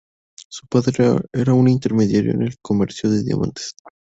Su padre era un intermediario en el comercio de diamantes.